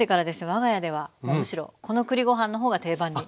我が家ではもうむしろこの栗ご飯の方が定番に。